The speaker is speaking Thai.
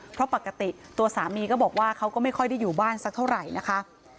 เพราะปกติตัวสามีก็บอกว่าเขาก็ไม่ค่อยได้อยู่บ้านสักเท่าไหร่นะคะ